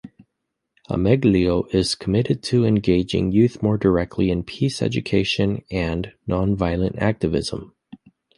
Ameglio is committed to engaging youth more directly in peace education and nonviolent activism.